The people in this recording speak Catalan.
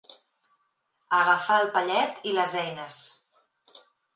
Agafar el pallet i les eines.